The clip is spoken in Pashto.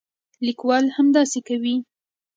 لیکوال همداسې کوي.